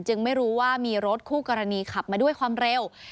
ไม่รู้ว่ามีรถคู่กรณีขับมาด้วยความเร็ว